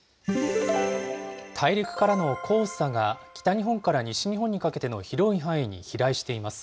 大陸からの黄砂が北日本から西日本にかけての広い範囲に飛来しています。